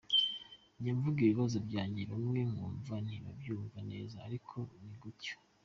Njya mvuga ibibazo byanjye bamwe nkumva ntibabyumva neza ariko ni gutyo.